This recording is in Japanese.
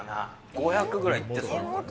５００ぐらいいってそう。